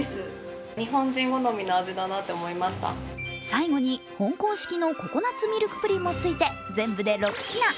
最後に香港式のココナッツミルクプリンもついて全部で６品。